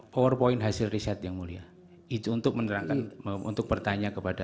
power point hasil riset yang mulia itu untuk menerangkan untuk bertanya kepada